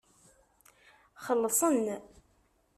Xellṣen.